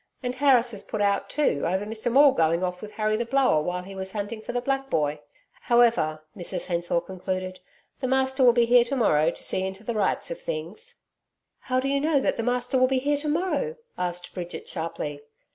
And Harris is put out, too, over Mr Maule going off with Harry the Blower, while he was hunting for the black boy. However,' Mrs Hensor concluded, 'the master will be here tomorrow to see into the rights of things.' 'How do you know that the master will be here to morrow?' asked Bridget sharply.